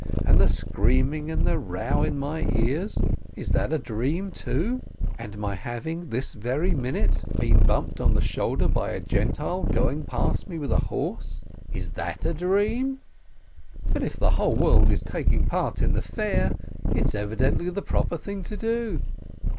And the screaming and the row in my ears, is that a dream, too? And my having this very minute 200 ROSENTHAL been bumped on the shoulder by a Gentile going past me with a horse — is that a dream? But if the whole world is taking part in the fair, it's evidently the proper thing to do